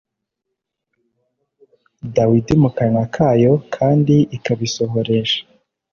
Dawidi mu kanwa kayo kandi ikabisohoresha